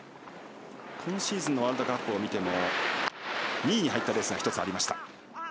今シーズンのワールドカップを見ても２位に入ったレースが１つあります。